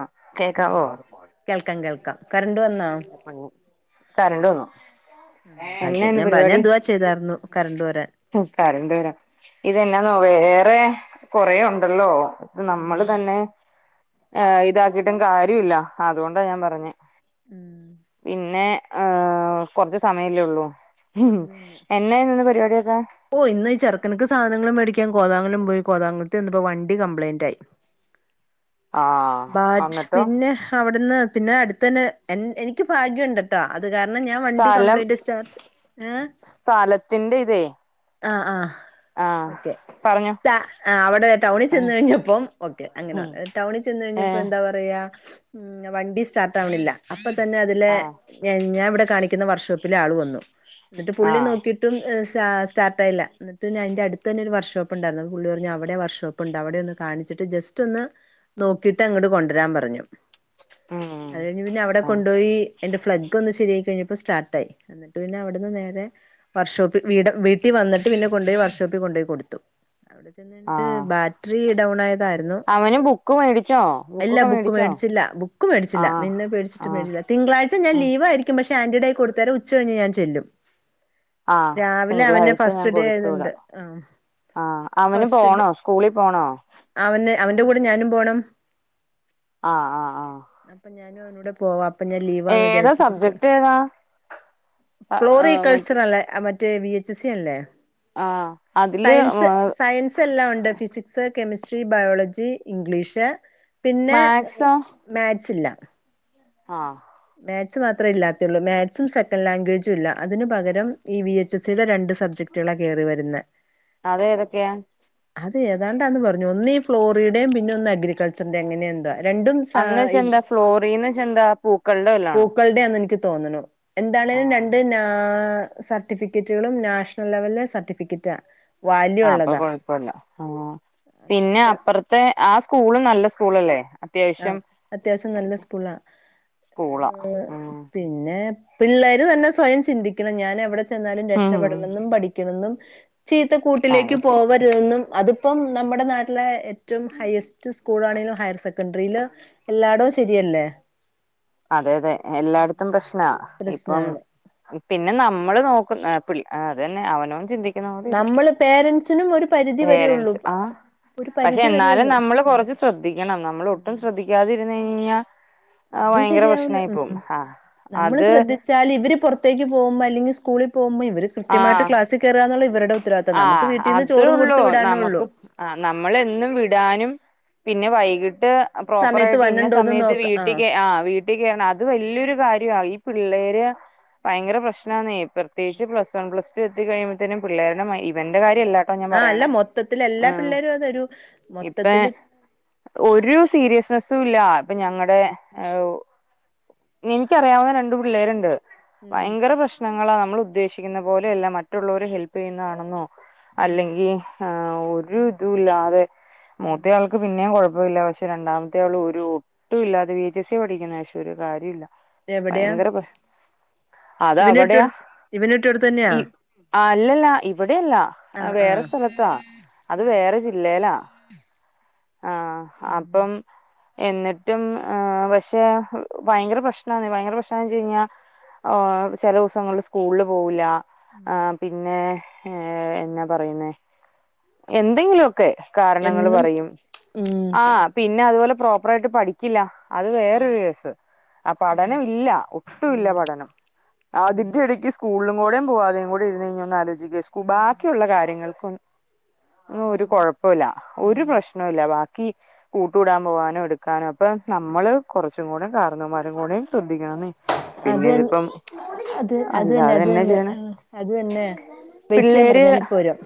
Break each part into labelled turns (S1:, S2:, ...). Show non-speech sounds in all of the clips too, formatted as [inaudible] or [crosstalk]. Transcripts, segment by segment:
S1: ആഹ്
S2: ഉം
S1: കേക്കാവോ
S2: കേൾക്കാം കേൾക്കാം കറണ്ട് വന്നോ
S1: കരണ്ട് വന്നു
S2: ആഹ് ഭഗ്യം
S1: എന്നാന്ന്
S2: ഞാൻ പ ഞാൻ ദുഅ ചെയ്തായിരുന്നു കരണ്ട് വരാൻ
S1: ഒ കരണ്ടു വരാൻ ഇത് യെന്നാന്നോ വേറെ കൊറേ ഉണ്ടല്ലോ അത് നമ്മള്
S2: ഉം
S1: തന്നെ ഇതാക്കിട്ടും കാര്യല്ല അതുകൊണ്ടാ ഞാൻ പറഞ്ഞെ
S2: ഉം
S1: പിന്നെ ഹ കുറച്ച് സമയല്ലേ ഉള്ളൂ
S2: അതന്നെ
S1: എന്നന്നെന്ന് പരിപാടിയൊക്കെ
S2: ഓ ഇന്ന് ചെറക്കൻക്ക് സാധനും മേടിക്കാൻ കോതാവുലം പോയി കോതാവുലത്തി ഇന്നപ്പോ വണ്ടിം കപ്ലയിന്റ് ആയി
S1: ആഹ്
S2: ബാച്ച്
S1: അന്നിട്ടോ
S2: പിന്നെ അവിട്ന്ന് പിന്നെ അടുത്തന്നെ എ എനിക്ക് ഭാഗ്യം ഇണ്ട് ട്ട അത് കാരണം ഞാൻ വണ്ടി
S1: സ്ഥലം
S2: കംപ്ലയ്ന്റ് സ്റ്റാർട്ട് ങ്
S1: സ്ഥലത്തിന്റെ ഇതേ
S2: ആഹ് ആഹ്
S1: ആഹ് പറഞ്ഞോ
S2: ത അവിടെ ടൗണിൽ
S1: ആഹ്
S2: ചെന്ന് കഴിഞ്ഞപ്പോം ഓക്കെ അങ്ങനെ
S1: ഉം
S2: ടൗണിൽ പ്പോ
S1: ഏഹ്
S2: എന്താ പറയാ വണ്ടി സ്റ്റാർട്ട് ആവ്ണില്ല അപ്പ തന്നെ അതിലെ
S1: ആഹ്
S2: ഞാ ഞാൻ ഇവിടെ കാണിക്ക്ന്ന വർഷോപ്പിലെ ആള് വന്നു ന്നിട്ട് പുള്ളി
S1: ആഹ്
S2: നോക്കി ട്ടും സാ സ്റ്റാർട്ടായില്ല എന്നിട്ട് അയിൻ്റെ അടുത്തന്നെ ഒരു വർഷോപ്പ്ണ്ടായിരുന്നു പുള്ളി പറഞ്ഞു അവിടെ വർഷോപ്പ് പ്പുണ്ട് അവിടെ ഒന്ന് കാണിച്ചിട്ട് ജസ്റ്റ് ഒന്ന് നോക്കിട്ട് അങ്ങട് കൊണ്ടരാൻ പറഞ്ഞു.
S1: ഉം
S2: അത് കഴിഞ്ഞ് പിന്നെ അവിടെ
S1: ആഹ്
S2: കൊണ്ടോയി അയ്ൻ്റെ ഫ്ലഗ് ഒന്ന് ശരിയായിക്കഴിഞ്ഞപ്പോ സ്റ്റാർട്ടായി എന്നിട്ട് പിന്നെ അവിടുന്ന് നേരെ വർഷോപ്പിൽ വീട് വീട്ടി വന്നിട്ട് പിന്നെ കൊണ്ടോയി വർഷോപ്പിൽ കൊണ്ടോയി കൊടുത്തു. ന്നിട്ട്
S1: ആഹ്
S2: ബാറ്ററി ഡൗൺ ആയതായിരുന്നു
S1: അവന് ബുക്ക് മേടിച്ചോ?
S2: അല്ലാ
S1: ബുക്കൊക്കെ
S2: ബുക്ക്
S1: മേടിച്ചോ
S2: മേടിച്ചില്ല ബുക്ക് മേടിച്ചില്ല.
S1: ആഹ്
S2: നിന്നെ പേടിച്ചിട്ട്
S1: ആഹ്
S2: മേടിച്ചില്ല തിങ്കളാഴ്ച ഞാൻ
S1: ആഹ്
S2: ലീവായിരിക്കും പക്ഷ ആന്റി ടയി കൊടുതേര് ഉച്ച കഴിഞ്ഞ് ഞാൻ ചെല്ലും
S1: ആഹ്
S2: രാവിലെ അവനെ
S1: തിങ്കളാഴ്ച ഞാൻ
S2: ഫസ്റ്റ് ഡേ
S1: കൊടുത്തു
S2: ആയതുണ്ട്
S1: വിടാം
S2: ആഹ്
S1: ആഹ് അവന്
S2: ഫസ്റ്റ് ഡ്
S1: പോണോ സ്കൂളിൽ പോണോ
S2: അവന്
S1: ഉം
S2: അവന്റെ കൂടെ ഞാനും പോണം
S1: ആഹ് അ
S2: അപ്പം ഞാനും അവനൂടെ പോവാ അപ്പ ഞാൻ ലീവാന്ന്
S1: ഏതാ
S2: വിചാരിച്ചിട്ടിരിക്ക.
S1: സബ്ജക്ട് ഏതാ
S2: ഫ്ലോറി
S1: ആഹ് മറ്റേ
S2: കൾച്ചറല്ലെ അ മ റ്റെ വി എച്ച് എസ് സി അല്ലേ
S1: ആഹ് അതില്
S2: സയൻസ് സയൻ സെല്ലാം ഉണ്ട് ഫിസിക്സ്, കെമിസ്ട്രി, ബയോളജി, ഇംഗ്ലീഷ് പിന്നെ
S1: മാത്സോ
S2: മേറ്റ്സില്ല.
S1: ആഹ്
S2: മേക്സ് മാത്രേ ഇല്ലാത്തേയുള്ളൂ മേക്സും സെക്കൻഡ് ലാംഗ്വേജും ഇല്ല. അതിനു പകരം ഈ വി എച്ച് എസ് സി ടെ രണ്ട് സബ്ജക്ടുകളാ കേറി വരുന്നെ
S1: അതേതൊക്കെയാ?
S2: അത് ഏതാണ്ടാന്ന് പറഞ്ഞു ഒന്ന് ഈ ഫ്ലോറിഡേം പിന്നെ ഒന്ന് അഗ്രികൾച്ചറിൻ്റെം അങ്ങനെയെന്തുവാ
S1: അന്ന് വെച്ച എന്താ, ഫ്ലോറിന്ന് വെച്ച എന്താ, പൂക്കളുടെ വല്ലതുവാണോ?
S2: ക്കൾടെ ആന്ന് എനിക്ക് തോന്നുണു എന്താണേലും രണ്ട് നാ ആ സർട്ടിഫിക്കറ്റുകളും നാഷണൽ ലെവലിലെ സർട്ടിഫിക്കറ്റാ വാല്യൂ
S1: ആഹ് അപ്പൊ
S2: ഉള്ളതാ
S1: കുഴപ്പവില്ല ആഹ് പിന്നെ അപ്പർ ത്തെ ആ സ്കൂളും നല്ല സ്കൂളല്ലേ
S2: ആഹ്
S1: അത്യാവശ്യം
S2: അത്യാവശ്യം നല്ല സ്കൂളാ.
S1: സ്കൂളാ
S2: ഏഹ്
S1: ഉം
S2: പിന്നെ പിള്ളേര് തന്നെ സ്വയം ചിന്തിക്കണം ഞാൻ എവിടെ ചെന്നാലും
S1: ഉം
S2: രക്ഷപെടണെന്നും പഠിക്കണം ന്നും ചീത്ത
S1: അത്
S2: കൂട്ടിലേക്ക്
S1: ശരി
S2: പോവരുതെന്നും അതിപ്പം നമ്മുടെ നാട്ടിലെ എ റ്റും ഹയ്എസ്റ്റ് സ്കൂളാണെലും ഹയർ സെക്കൻഡറില് എല്ലാടോം ശരിയല്ലേ
S1: അതെ അതെ എല്ലായിടത്തും പ്രശ്നാ. ഇപ്പം
S2: പ്രശ്നാണ്
S1: പിന്നെ നമ്മള് നോക്കും ഏഹ് പിൾ ഏഹ് അതന്നെ അവനോൻ ചിന്തി
S2: നമ്മള് പേരന്റ്സിനും ഒരു പരിധി വരെയൊള്ളൂ
S1: പേരൻറ്സ് ആ പക്ഷെ എന്നാലും നമ്മള് കുറച്ച് ശ്രദ്ധിക്കണം നമ്മൾ ഒട്ടും
S2: ഉം
S1: ശ്രദ്ധിക്കാതിരുന്ന് കഴിഞ്ഞഴിഞ്ഞാ
S2: അത് ശരിയാവൂല ഉം
S1: ആ
S2: നമ്മള്
S1: അത്
S2: ശ്രദ്ധി ച്ചാല് ഇവര് പുറത്തേക്ക് പോകുമ്പം അല്ലെങ്കി സ്കൂളി പോകുമ്പം ഇവര് കൃത്യമായിട്ട്
S1: ആഹ്
S2: ക്ലാസിൽ കേറാന്നുള്ള ഇവരുടെ ഉത്തരവാദിത്താ. നമുക്ക്
S1: ആഹ്
S2: വീട്ടീന്ന്
S1: അതേ
S2: ചോറും
S1: ഉള്ളൂ
S2: കൊടുത്ത് വിടാനൊള്ളു
S1: നമുക്ക് ആഹ് നമ്മളെന്നും വിടാനും പിന്നെ വൈകിട്ട് പ്രോപ്പർ
S2: സമയത്ത്
S1: ആയിട്ട് ഇന്ന
S2: വന്നുണ്ടോന്ന്
S1: സമയത്ത്
S2: നോക്ക
S1: വീട്ടി കേ ആഹ് വീ ട്ടി കേറണം അത് വലിയൊരു കാര്യവാ. ഈ പിള്ളേര് ഭയങ്കര പ്രശ്നാന്നേ പ്രത്യേകിച്ച് പ്ലസ് വൺ പ്ലസ് ടു എത്തി കഴിയുമ്പഴ്ത്തേനും പിള്ളേരുടെ മൈൻ ഇവന്റെ കാര്യ അല്ല
S2: ആഹ് അല്ല മൊത്തത്തില് എല്ലാ പിള്ളേരും അതൊരു
S1: ഇപ്പ
S2: മൊത്തത്തില്
S1: ഒരു സീരിയസ്നെസ്സും ഇല്ല ഇപ്പൊ ഞങ്ങടെ ഉ നിൻക്കറിയാവുന്ന രണ്ട് പിള്ളേര്ണ്ട്
S2: ഉം
S1: ഭയങ്കര പ്രശ്നങ്ങളാ നമ്മൾ ഉദ്ദേശിക്കുന്ന പോലെയല്ല മറ്റുള്ളവരെ ഹെല്പ്പ് ചെയ്യുന്നതാണെന്നോ
S2: ഉം
S1: അല്ലെങ്കി ആഹ് ഒരു ഇതുല്ലാതെ
S2: ഉം
S1: മൂത്ത ആൾ ക്ക് പിന്നെയും കുഴപ്പമില്ല പക്ഷെ രണ്ടാമത്തെ ആള് ഒരു ഒട്ടും ഇല്ലാതെ വി എച്ച് എസ് സി യാ പഠിക്കുന്നെ പക്ഷെ ഒരു കാര്യവു ഇല്ല.
S2: എവിടെയാ
S1: ഭയങ്കര പ്രശ് അത
S2: ഇവന്
S1: അവടെയാ
S2: ഇട്ടൊടു ഇവന് കിട്ടിയോട്ത്ത് തന്നെയാ?
S1: ആഹ് അല്ലല്ല ഇവിടെയല്ല.
S2: ആഹ്
S1: വേറെ
S2: ആഹ്
S1: സ്ഥലത്താ അത്
S2: ആ അന്നേ
S1: വേറെ
S2: കൊഴപ്പവില്ല
S1: ജില്ലയിലാ ആഹ് അപ്പം എന്നിട്ടും ആ പക്ഷെ ഭയങ്കര പ്രശ്നാണേ. ഭയങ്കര പ്രശ്നന്ന് വെച്ച് കഴിഞ്ഞാ ഓ ചെലൂസങ്ങളിൽ സ്കൂളിൾല് പോവൂല്ല ആ
S2: ഉം
S1: പിന്നെ ഏ എന്നാ പറയുന്നേ എന്തെങ്കിലു ഒക്കെ കാരണങ്ങള്
S2: എന്നും
S1: പറയും
S2: ഉം
S1: ആ പിന്നതുപോലെ പ്രോപ്പറായിട്ട് പഠി ക്കില്ല അത്
S2: ആഹ്
S1: വേറൊരു കേസ് ആ
S2: ഉം
S1: പഠനവില്ല ഒട്ടുവില്ല
S2: ഉം
S1: പഠനം ആ
S2: ഉം
S1: അതിന്റെടി ഈ സ്കൂളിലും കൂടെ പോവാതെയും കൂടി ഇരുന്ന് കഴിഞ്ഞ ഒന്ന് ആലോചിക്കെ
S2: ഉം
S1: ബാക്കിയുള്ള കാര്യങ്ങൾക്കും ഒരു
S2: ഉം
S1: കൊഴപ്പൊവില്ല ഒരു
S2: ഉം
S1: പ്രശ്നോവില്ല വാക്കി കൂട്ടൂടാൻ പോവാനോ എടുക്കാനോ അപ്പ നമ്മള് കൊറച്ചും കൂടെ കാർണോമാരും കൂടെം ശ്രദ്ധിക്കണംന്ന്
S2: അത് തൻ അത അത് അത് തന്നെ
S1: അല്ലാതെ
S2: അത്
S1: എന്നാ
S2: തന്നെ
S1: ചെയ്യണെ
S2: ആ അത് തന്നെ വെയിറ്റ്യ്യാൻ പറ ഞാനിപ്പോ വരുവ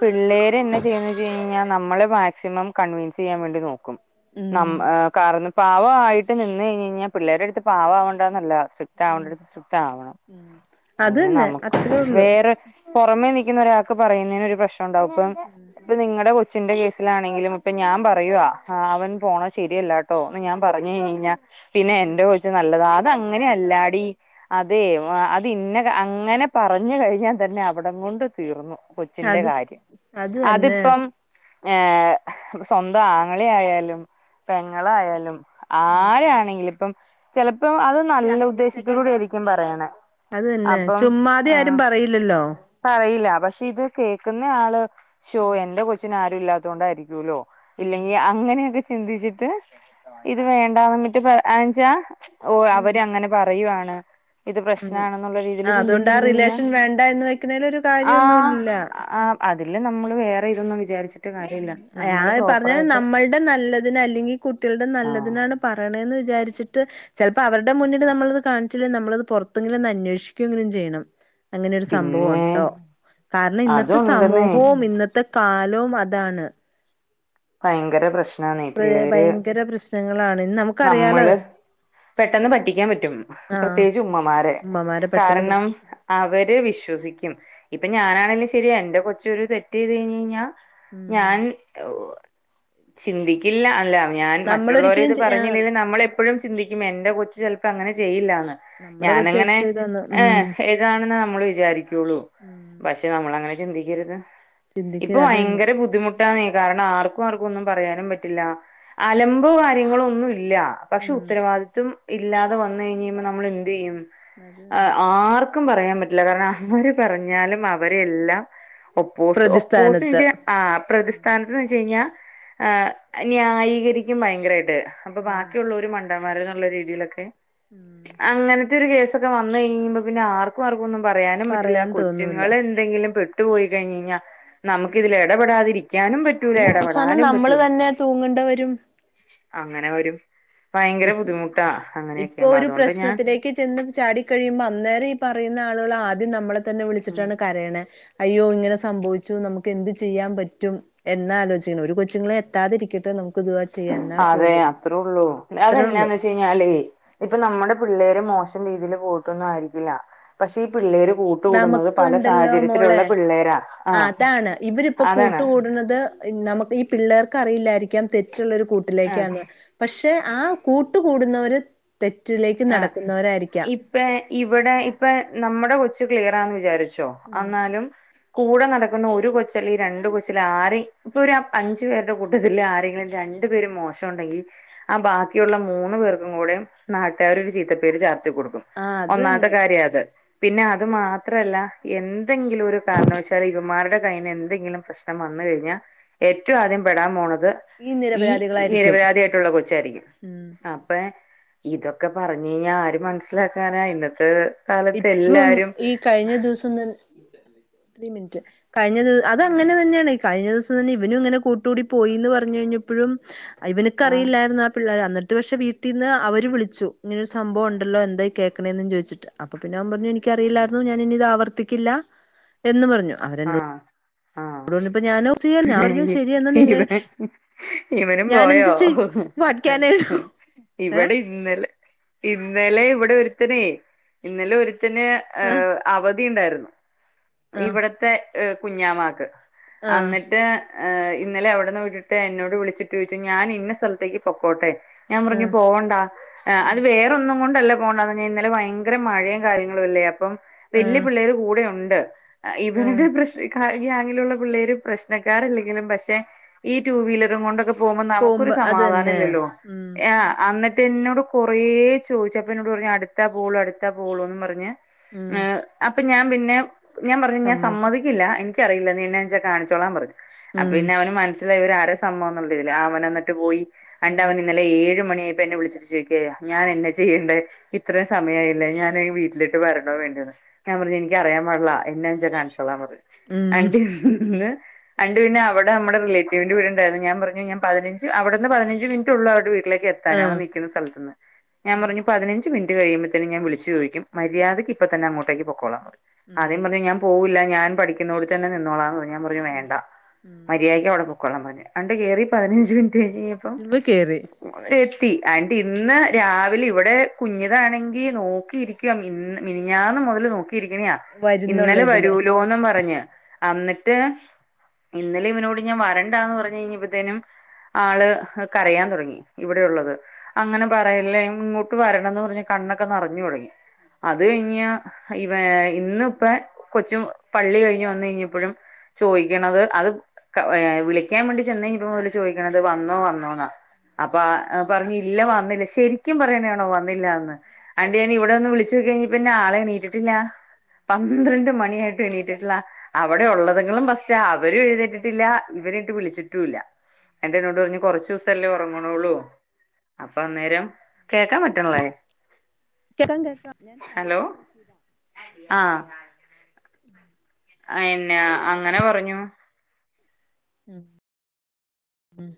S1: പിള്ളേരെന്ന ചെയ്യുന്നെച്ച് കഴിഞ്ഞാൽ നമ്മള് മാക്സിമം കൺവിൻസ്യ്യാൻ വേണ്ടി നോക്കും
S2: ഉം
S1: നമ് ആ കാറ്ന പാവായിട്ട് നിന്ന് കഴഞ് കഴിഞ്ഞാ പിള്ളേര്ടടുത്ത് പാവം ആവണ്ടാന്നല്ല സ്ട്രിക്റ്റ്
S2: ഉം
S1: ആവണ്ടടുത്ത് സ്ട്രിക്റ്റ് ആവണം
S2: ഉം അത്
S1: അതിന്
S2: തന്നെ
S1: നമുക്ക്
S2: അത്രേ ഉള്ളു
S1: വേറെ പൊറമേ നിയ്ക്കുന്നൊരാക്ക് പറയുന്നേനൊരു പ്രശ്നണ്ടാവും ഇപ്പം ഇപ്പൊ നിങ്ങടെ കൊ ച്ചിന്റെ കേസിലാണെങ്കിലും ഇപ്പൊ ഞാൻ പറയുവ ആ അവൻ പോണ ശരിയല്ലാട്ടോ ന്ന് ഞാൻ പറഞ്ഞയ്ഞയിഞ്ഞാൽ പിന്നെ എന്റെ കൊച്ചു നല്ലതാ അതങ്ങനെ അല്ലാടി അതേ ആ അത് ഇന്ന കാ അങ്ങനെ പറഞ്ഞു കഴിഞ്ഞാ തന്നെ അവിടം കൊണ്ട് തീർന്നു കൊ ച്ചിന്റെ
S2: അത്
S1: കാര്യം
S2: അത് തന്നെ
S1: അതിപ്പം ഏ സ്വന്തം ആങ്ങളെയായാലും പെങ്ങളായാലും
S2: ഉം
S1: ആരാണെങ്കില് പ്പം ചെലപ്പം അത് നല്ല ഉദ്ദേശത്തോടൂടി ആയിരിക്കും പറയണെ
S2: അത് തന്നെ ചുമ്മാതെയാരും പറയില്ലല്ലോ
S1: പറയില്ല പക്ഷെ ഇത് കേൾക്കുന്നയാള് ശോ
S2: ഉം
S1: എന്റെ കൊച്ചിനാരുല്ലാത്തോണ്ടായിരിക്കൂല്ലോ ഇല്ലെങ്കി
S2: ഉം
S1: അങ്ങനെയൊക്കെ ചിന്തിച്ചിട്ട് ഇത് വേണ്ടാന്നുംവ്ട്ട് പറ ആംച്ചാ ഓ അവരങ്ങനെ പറയുവാണ് ഇത്
S2: ഉം
S1: നെയാണെന്നുള്ള രീതീല്
S2: ആഹ് അതുകൊണ്ട് ആ
S1: ചിന്തിച്ചയ്ഞ്ഞയിഞ്ഞാ
S2: റിലേഷൻ വേണ്ട എന്ന് വെക്കണേൽ ഒരു
S1: ആ
S2: കാര്യമൊന്നുമില്ല
S1: അതില് നമ്മള് വേറെ ഇതൊന്നും വിചാരിച്ചിട്ട് കാര്യല്ല നമ്മള് പ്രോപ്പറായിട്ട്
S2: ടെ നല്ലതിന് അല്ലെങ്കി കുട്ടികളുടെ
S1: ആഹ്
S2: നല്ലതിനാണ് പറയണെന്ന് വിചാരിച്ചിട്ട് ചെലപ്പോ അവര്ടെ മുന്നിലു നമ്മള്ത് കാണിച്ചില്ലെ നമ്മള്ത് പൊറത്തെങ്കിലും ഒന്ന് അന്വേഷിക്കെങ്കിലും ചെയ്യണം അങ്ങനൊരു
S1: പിന്നെ
S2: സംഭവോണ്ടോ കാരണം ഇന്നത്തെ
S1: അതുണ്ടെന്നേ
S2: സമൂഹവും ഇന്നത്തെ കാലവും അ അതാണ്
S1: ഭയങ്കര പ്രശ്ന
S2: [unintelligible] ഭയങ്കര പ്രശ്നങ്ങളാണ് നമ്മ
S1: നമ്മള് പെട്ടെന്ന് പറ്റിക്കാൻ പറ്റും
S2: ആഹ്
S1: പ്രത്യേകിച്ച് ഉമ്മമാരെ
S2: ഉമ്മമാരെ പെട്ടെന്ന്
S1: കാരണം
S2: പറ്റി
S1: അവര് വിശ്വസിക്കും ഇപ്പൊ ഞാനാണെങ്കിലും ശരിയാ എന്റെ കൊച്ചൊരു തെറ്റ് ചെയ്ത് കഴിഞ്ഞ് കഴിഞ്ഞാ
S2: ഉം
S1: ഞാൻ ഒ ചിന്തിക്കില്ല അല്ല ഞാൻ
S2: നമ്മളൊരിക്കലും
S1: മറ്റുള്ളോരേത്
S2: ആഹ്
S1: നമ്മളെപ്പോഴും ചിന്തിക്കും എന്റെ കൊച്ച് ചെലപ്പോ അങ്ങനെ ചെയ്യില്ലാന്ന്
S2: നമ്മുടെ കൊച്ച്
S1: ഞാനങ്ങനെ
S2: ഏറ്റവും ഇതാന്ന് ഉം
S1: ഏഹ് ഇതാണെന്ന നമ്മള് വിചാരിക്കുള്ളൂ
S2: ഉം
S1: പക്ഷെ നമ്മളങ്ങനെ ചിന്തിക്കരുത്
S2: ചിന്തിക്കുക
S1: ഇപ്പൊ
S2: അത് തന്നെ
S1: വയങ്കര ബുദ്ധിമുട്ട് ട്ടാണെ കാരണം ആർക്കു ആർക്കും ഒന്നും പറയാനും പറ്റില്ല അലമ്പോ കാര്യങ്ങളൊ ഒന്നുവില്ല പക്ഷെ
S2: ഉം
S1: ഉത്തരവാദിത്വം ഇല്ലാതെ വന്ന് കഴിഞ്ഞഴിയുമ്പോ നമ്മളെന്ത്യ്യും
S2: അത് തന്നെ
S1: ആർക്ക ക്കും പറയാൻ പറ്റില്ല കാരണം ഹ്ഹാര് പറഞ്ഞാലും അവരെയെല്ലാം ഒപ്പോസ് ഒപ്പോസ്
S2: പ്രതിസ്ഥാനത്ത്
S1: ആഹ്
S2: ഉം
S1: പ്രതിസ്ഥാനത്ത്ന്ന് വെച്ചഴിഞ്ഞാ ന്യായീകരിക്കും ഭയങ്കരായിട്ട് അപ്പൊ
S2: ഉം
S1: ബാക്കിയുള്ളോര് മണ്ടമാര്ന്നുള്ള രീതീലൊക്കെ
S2: ഉം
S1: അങ്ങനത്തെ ഒരു കേസൊക്കെ വന്ന് കഴിയുമ്പോ പിന്നെ ആർക്കും ആർക്കും ഒന്നും പറയാനും പറ്റില്ല
S2: പറയാൻ തോന്നൂല
S1: കൊച്ചുങ്ങൾ എന്തെങ്കിലും പെട്ടു പോയി കഴിഞ് കഴിഞ്ഞാൽ നമുക്ക് ഇതിൽ ഇടപൊതിരിക്കാനും പറ്റുല്ല്യ
S2: ഇല്ല അവസാനം നമ്മള് തന്നെ തൂങ്ങേണ്ടി വരും
S1: അങ്ങനെ വരും ഭയങ്കര ബുദ്ധിമുട്ടാ അങ്ങനെയൊക്കെയ
S2: ഇപ്പൊ
S1: ആവുമ്പോ
S2: ഒരു
S1: അതുകൊണ്ട് ഞാൻ
S2: പ്രശ്നത്തിലേക്ക് ചെന്ന് ചാടി കഴിയുമ്പോ അന്നേരം ഈ പറയുന്ന ആളുകൾ ആദ്യം നമ്മളെ തന്നെ വിളിച്ചിട്ടാണ് കരയണെ അയ്യോ ഇങ്ങനെ സംഭവിച്ചു നമുക്ക് എന്ത് ചെയ്യാൻ പറ്റും എന്നാ ആലോചിക്കണം ഒരു കൊച്ചുങ്ങളെ എത്താതിരിക്കട്ടെ നമുക്ക് ദുആ ചെയ്യാം എന്നാ പോലും
S1: അത്രേള്ളൂ
S2: അത്രേ ഉള്ളു
S1: അതാന്ന് വെചാ ഞേ ഇപ്പ നമ്മുടെ പിള്ളേര് മോശം രീതിയിൽ പോയിട്ടൊന്നും ആയിരിക്കില്ല പക്ഷെ ഈ പിള്ളേര് കൂട്ടുകൂടുന്നത് പല
S2: നമുക്കുണ്ടല്ലോ
S1: സാഹചര്യത്തിലുള്ള
S2: മോളെ
S1: പിള്ളേരാ ആഹ
S2: ഇപ്പൊ കൂട്ട് കൂടുന്നത് നമുക്ക് ഈ പിള്ളേർക്ക് അറിയില്ലായിരിക്കാം തെറ്റുള്ളൊരു
S1: ആ
S2: കൂട്ടിലേക്കാന്ന് പക്ഷെ ആ കൂട്ട് കൂടുന്നവര് തെറ്റിലേക്ക്
S1: ആ
S2: നടക്കുന്നവരായിരിക്കാം
S1: ഇപ്പ ഇവിടെ ഇപ്പ നമ്മുടെ കൊച്ച് ക്ലിയറാന്ന് വിചാരിച്ചോ
S2: ഉം
S1: അന്നാലും കൂടെ നടക്കുന്ന ഒരു കൊച്ച്ൽ ഈ രണ്ട് കൊച്ച്ൽ ആര ഇപ്പൊ ഒരു അഞ്ചു പേരുടെ കൂട്ടത്തിൽ ആരെങ്കിലും രണ്ട് മോശം ഉണ്ടെങ്കിൽ ആ ബാക്കിയുള്ള മൂന്ന് പേർക്കും കൂടെ നാട്ട ഒരു ചീത്തപ്പേര് ചാർത്തി കൊടുക്കും
S2: ആ അത്
S1: ഒന്നാമത്തെ
S2: തന്നെ
S1: കാര്യം അത് പിന്നെ അത് മാത്രല്ല എന്തെങ്കിലും ഒരു കാരണവശാല് ഇവമാരുടെ കയ്യിന് എന്തെങ്കിലും പ്രശ്നം വന്ന് കഴിഞ്ഞാൽ ഏറ്റവും ആദ്യം പെടാൻ പോണത് ഈ നിരപരാധി ആയിട്ടുള്ള കൊച്ചായിരിക്കും
S2: ഉം
S1: അപ്പൊ ഇതൊക്കെ ഒക്കെ പറഞ്ഞു കഴിഞ്ഞാൽ ആര് മനസ്സിലാക്കാനാ ഇന്നത്തെ കാലത്ത്
S2: ഇപ്പം
S1: എല്ലാരും
S2: ഈ കഴിഞ്ഞ ദിവസം തെ ഒരു മിനിറ്റ് കഴിഞ്ഞ ദിവസം അത് അങ്ങനെ തന്നെയാണ് കഴിഞ്ഞ ദിവസം തന്നെ ഇവനും ഇങ്ങനെ കൂട്ടുകൂടി പോയിന്ന് പറഞ്ഞു കഴിഞ്ഞപ്പോഴും ഇവനക്ക
S1: ആഹ്
S2: അറിയില്ലായിരുന്നു ആ പിള്ളേർ എന്നിട്ട് പക്ഷെ വീട്ടിൽന്ന് അവര് വിളിച്ചു ഇങ്ങനെരു സംഭവ ഉണ്ടല്ലോ എന്തായി കേക്കണത് എ ചോദിച്ചിട്ട് അപ്പ പിന്നെ അവൻ പറഞ്ഞു എനിക്കറിയില്ലായിരുന്നു ഞാൻ ഇനി ഇത് ആവർത്തിക്കില്ല എന്ന് പറഞ്ഞു അവരെന്നോട്
S1: ആഹാ ആഹ
S2: പറഞ്ഞപ്പോ ഞാൻ ഞാൻ പറഞ്ഞു ശരി എന്നാ
S1: ഇവ
S2: നിങ്ങൾ
S1: ഇവനും പോയോ
S2: വാട്ക്കാനയ്ടു
S1: ഇവിടിം ഇന്നലെ ഇന്നലെ ഇവിടെ ഒരുത്തനേ ഇന്നലെ ഒരുത്തന് ഏ
S2: ആ
S1: അവധിയ ഉണ്ടായിരുന്നു
S2: ആ
S1: ഇവിടത്തെഹ കുഞ്ഞാമാക്ക്
S2: ആ
S1: എന്നിട്ട് ഇന്നലെ അവിടെന്ന് വിട്ടിട്ട് എന്നോട് വിളിച്ചിട്ട് ചോയിച്ചു ഞാൻ ഇന്ന സ്ഥലത്തേക്ക് പൊക്കോട്ടെ ഞാൻ
S2: ആ ആ
S1: പറഞ്ഞു പോകണ്ട അത് വേ റോന്നും കൊണ്ടല്ല പോകണ്ടാന്ന് പർഞ്ഞേ ഇന്നലെ ഭയങ്കര മഴേ കാര്യങ്ങളും അല്ലേ അപ്പം
S2: ആ
S1: വല്യ പിള്ളേർ കൂടെ ഒണ്ട്
S2: ആ
S1: ഇവരടെ പ്രശ്ന ഈ ഗ്യാങ്ങിലുള്ള പിള്ളേര് പ്രശ്നക്കാരല്ലെങ്കിലും പക്ഷെ ഈ ടു വീലറും കൊണ്ടൊക്കെ പോവുമ്പോ നമുക്കൊരു
S2: പോകുമ്പോ അത്
S1: സമാധാനം
S2: തന്നെ
S1: ഇല്ലല്ലോ
S2: ഉം
S1: ആ ന്നിട്ട് എന്നോട് കൊറേ ചോദിച്ചപ്പം എന്നോട് പറഞ്ഞു അടുത്താ പോളു അടുത്താ പോളൂന്ന് പറഞ്ഞ്
S2: ഉം
S1: അപ്പൊ ഞാൻ പിന്നെ ഞാൻ പറഞ്ഞു ഞാൻ
S2: സമ്മതിച്ചു
S1: സമ്മതിക്കില്ല എനിക്കറിയില്ല നീ എന്നെച്ചാൽ കാണിച്ചോളാൻ പറഞ്ഞു അപ്പൊ
S2: ഉം
S1: പിന്നെ അവന് മനസ്സിലായി ഒരു ആര സമ്മദാന്നുള്ള ഇതില് അവൻ എന്നിട്ട് പോയി ണ്ടവൻ ഇന്നലെ ഏഴ മണിയായിപ്പോ എന്നെ വിളിച് ഞാൻ എന്നെ ചെയ്യേണ്ടേ ഇത്രയും സമയായില്ലേ ഞാൻ വീട്ടിലിട്ട് വരണോ വേണ്ടയോന്ന് ഞാൻ പറഞ്ഞു എനിക്ക് അറിയാൻ പാടില്ല എന്നാച്ചാ കാണിച്ചോളാൻ പറഞ്ഞ്
S2: ഉം
S1: ആണ്ടിന്ന് ണ്ട് പിന്നെ അവിടെ നമ്മടേ റിലേറ്റീവിന്റെ വീട് ഉണ്ടായിരുന്നു ഞാൻ പറഞ്ഞു ഞാൻ പതിനഞ്ച് അവിടുന്ന് പതിനഞ്ച് മിനിറ്റ് ഒള്ളു അവിടെ ക്ക് എത്താൻ അവൻ
S2: ആഹ്
S1: നിക്ക്ന്ന സ്ഥലത്തന്ന് ഞാൻ
S2: ഉം
S1: പറഞ്ഞു പതിനഞ്ച് മിനിറ്റ് കഴിയ്മ്പത്തേന് ഞാൻ വിളിച്ചു ചോയിക്കും മര്യാദക്ക് ഇപ്പ തന്ന അങ്ങോട്ടേക്ക് പോക്കോളാൻ പറഞ്ഞു
S2: ഉം
S1: ആദ്യം പറഞ്ഞു ഞാൻ പോവൂല്ല ഞാൻ പഠിക്കുന്നതോട് തന്നെ നിന്നോളാന്ന് ഞാൻ പറഞ്ഞു വേണ്ട
S2: ഉം
S1: മര്യാദയ്ക്ക് അവിടെ കൊള്ളം മോനെ ആണ്ട് കേറി പതിനഞ്ച് മിനിറ്റ് കഴിഞ്ഞ് കഴിഞ്ഞപ്പം
S2: ഇവ കേറി
S1: എത്തി ആന്റ് ഇന്ന് രാവിലെ ഇവിടെ കുഞ്ഞതാണെങ്കി നോക്കിയിരിക്ക മിനിഞ്ഞാന്ന് മുതല് നോക്കിയിരിക്കണിയാ
S2: വരുന്നുള്ള
S1: ഇന്നലെ
S2: ഇതില്
S1: വരൂലോന്നും പറഞ്ഞ് എന്നിട്ട് ഇന്നലെ ഇവനോട് ഞാൻ വരണ്ടാന്ന് പറഞ്ഞ് കഴിഞ്ഞപ്പഴത്തേനും ആള് കരയാൻ തുടങ്ങി ഇവിടെയുള്ളത് അങ്ങനെ പറയല്ലേ ഇങ്ങോട്ട് വരണന്ന് പറഞ്ഞ് കണ്ണൊക്കെ നെറഞ്ഞ് തുടങ്ങി അത് കഴിഞ്ഞ് ഇവ ഇന്ന് ഇപ്പൊ കൊച്ചു പള്ളി കഴിഞ്ഞ് വന്ന് കഴിഞ്ഞപ്പോഴും ചോദിക്കണത് അത് വിളിക്കാൻ വേണ്ടി ചെന്ന് കഴിഞ്ഞപ്പം മുതൽ ചോദിക്കണത് വന്നോ വന്നോന്നാ അപ്പ പറഞ്ഞ് ഇല്ല വന്നില്ല ശരിക്കും പറയ്ന്നാണോ വന്നില്ല എന്ന് ആണ്ട് ഞാൻ ഇവിടെ വന്ന് വിളചു നോക്കി കഴിഞ്ഞപ്പോ ആള് എണീറ്റിട്ടില്ല പന്ത്രണ്ട് മണിയായിട്ട് എണീട്ടില്ല അവിടെ ഉള്ളത്ങ്ങളും പസ്റ്റ അവരും എഴുന്നെറ്റിട്ടില്ല ഇവരെട്ട് വിളിച്ചിട്ടുംല്ല എന്റെ എന്നോട് പറഞ്ഞ് കുറച്ച് ദിവസല്ലേ ഒറങ്ങ്ണള്ളൂ അപ്പൊ അന്നേരം കേക്കാൻ പറ്റണള്ളേ
S2: കേക്കാം കേക്കാം ഞാൻ [inaudible] നോക്കിയതാ
S1: ആഹ് ന്നെ അങ്ങനെ പറഞ്ഞു
S2: ഉം ഉം